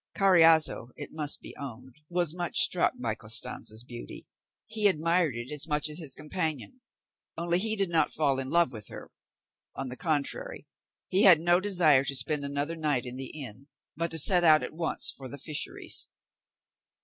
Carriazo, it must be owned, was much struck by Costanza's beauty; he admired it as much as his companion, only he did not fall in love with her; on the contrary, he had no desire to spend another night in the inn, but to set out at once for the fisheries.